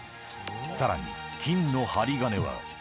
さらに、金の針金は。